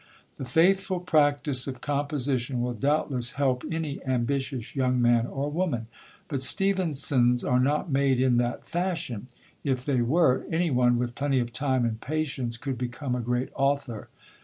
The faithful practice of composition will doubtless help any ambitious young man or woman. But Stevensons are not made in that fashion. If they were, anyone with plenty of time and patience could become a great author.